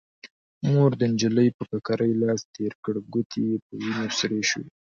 مور د نجلۍ پر ککرۍ لاس تير کړ، ګوتې يې په وينو سرې شوې.